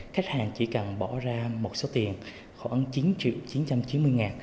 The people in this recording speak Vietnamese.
khách hàng chỉ cần bỏ ra một số tiền khoảng chín triệu chín trăm chín mươi ngàn